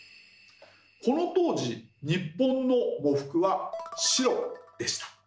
この当時日本の喪服は白でした。